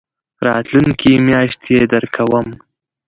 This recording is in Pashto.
راتلونکې میاشت يي درکوم